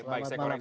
baik saya koreksi